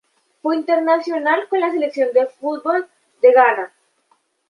Fue internacional con la selección de fútbol de Ghana.